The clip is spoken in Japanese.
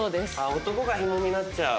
男がヒモになっちゃう？